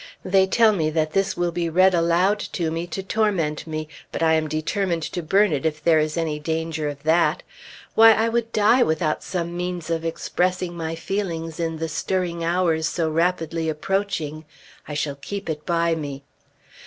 They tell me that this will be read aloud to me to torment me, but I am determined to burn it if there is any danger of that. Why, I would die without some means of expressing my feelings in the stirring hours so rapidly approaching. I shall keep it by me.